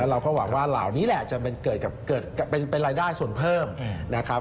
แล้วเราก็หวังว่าเหล่านี้แหละจะเป็นรายได้ส่วนเพิ่ม